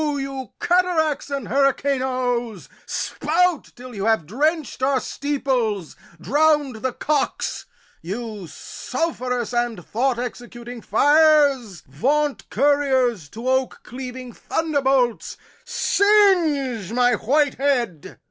You cataracts and hurricanoes, spout Till you have drench'd our steeples, drown'd the cocks! You sulph'rous and thought executing fires, Vaunt couriers to oak cleaving thunderbolts, Singe my white head!